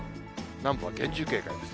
南部は厳重警戒です。